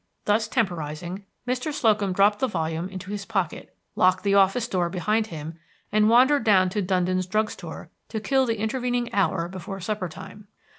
Thus temporizing, Mr. Slocum dropped the volume into his pocket, locked the office door behind him, and wandered down to Dundon's drug store to kill the intervening hour before supper time.